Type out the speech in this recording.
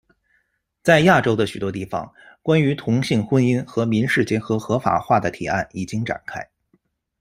在亚洲的许多地方，关于同性婚姻和民事结合合法化的提案已经展开。